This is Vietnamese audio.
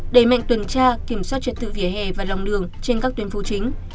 đẩy mạnh tuần tra kiểm soát trật tự vỉa hè và lòng đường trên các tuyến phố chính